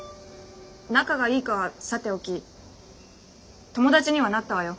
仲がいいかはさておき友達にはなったわよ。